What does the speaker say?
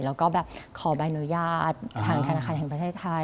แล้วก็แบบขอใบอนุญาตทางธนาคารแห่งประเทศไทย